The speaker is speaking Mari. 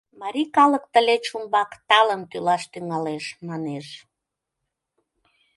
Марий калык тылеч умбак талын тӱлаш тӱҥалеш, манеш.